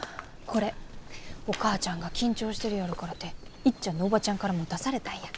これお母ちゃんが緊張してるやろからていっちゃんのおばちゃんから持たされたんや。